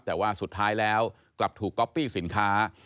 แต่ว่าสุดท้ายแล้วกลับถูกก๊อปปี้สินค้า